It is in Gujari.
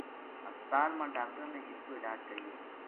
ہسپتال ما ڈاکٹراں نے اس کو علاج کریو